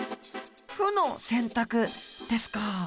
負の選択ですか。